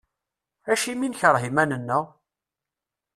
Acimi i nekreh iman-nneɣ?